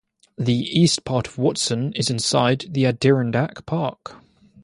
The east part of Watson is inside the Adirondack Park.